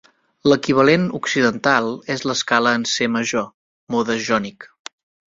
L'equivalent occidental és l'escala en C major, "mode jònic".